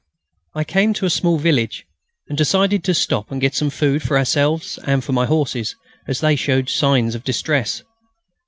I came to a small village, and decided to stop and get some food for ourselves and for my horses, as they showed signs of distress.